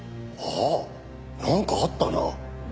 ああなんかあったな。